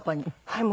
はい。